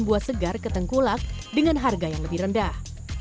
sehingga segar ketengkulak dengan harga yang lebih rendah